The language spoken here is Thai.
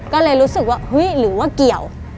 ก็เลยรู้สึกว่าเฮ้ยหรือว่าเกี่ยว